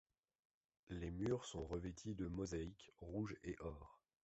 Les murs sont revêtus de mosaïques rouge et or.